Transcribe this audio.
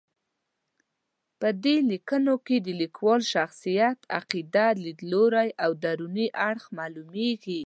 په دې لیکنو کې د لیکوال شخصیت، عقیده، لید لوری او دروني اړخ معلومېږي.